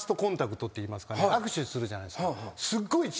握手するじゃないですか。